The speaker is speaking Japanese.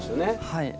はい。